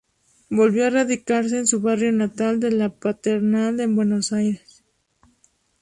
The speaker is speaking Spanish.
Volvió a radicarse en su barrio natal de La Paternal en Buenos Aires.